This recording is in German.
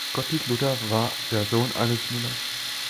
Gottlieb Luther war der Sohn eines Müllers.